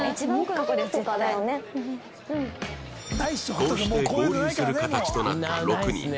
こうして合流する形となった６人